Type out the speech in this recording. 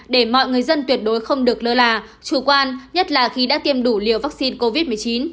để mọi người dân tuyệt đối không được lơ là chủ quan nhất là khi đã tiêm đủ liều vaccine covid một mươi chín